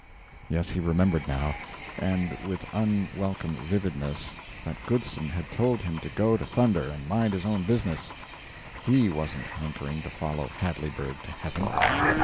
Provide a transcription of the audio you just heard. Yes, he remembered now, and with unwelcome vividness, that Goodson had told him to go to thunder and mind his own business HE wasn't hankering to follow Hadleyburg to heaven!